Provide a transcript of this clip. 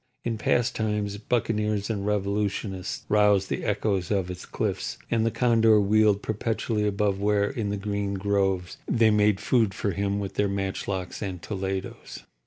In past times buccaneers and revolutionists roused the echoes of its cliffs, and the condor wheeled perpetually above where, in the green groves, they made food for him with their matchlocks and toledos.